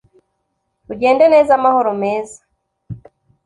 Ugende neza, amahoro meza